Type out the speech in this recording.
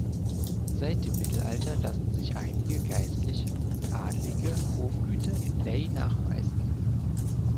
Seit dem Mittelalter lassen sich einige geistliche und adlige Hofgüter in Lay nachweisen.